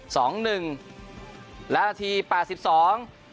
สองหนึ่งและนาทีแปดสิบสอง